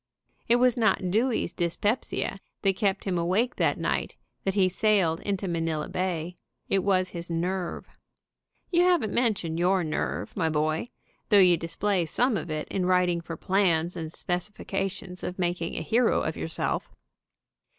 It was not Dewey's dyspepsia that kept him awake that night that he sailed into Manila Bay. It was his nerve. You haven't mentioned your nerve, my boy, though you display some of it in writing for plans and specifi cations for making a hero of yourself.